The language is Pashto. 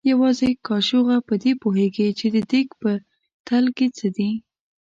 یوازې کاچوغه په دې پوهېږي چې د دیګ په تل کې څه دي.